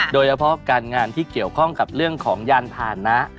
โดยเฉพาะการงานที่เกี่ยวข้องกับเรื่องของยานผ่านนะ